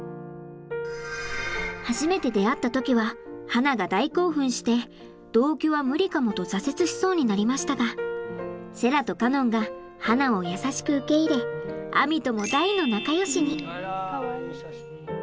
初めて出会った時ははなが大興奮して同居は無理かもと挫折しそうになりましたがセラとカノンがはなを優しく受け入れあみとも大の仲よしに。